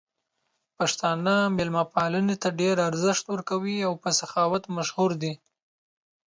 پښتانه مېلمه پالنې ته ډېر ارزښت ورکوي او په سخاوت مشهور دي.